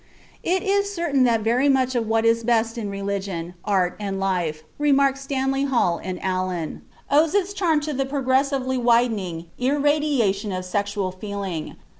"It is certain that very much of what is best in religion, art, and life," remark Stanley Hall and Allin, "owes its charm to the progressively widening irradiation of sexual feeling.